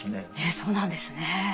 そうなんですね。